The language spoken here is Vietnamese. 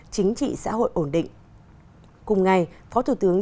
chính trị xã hội ổn định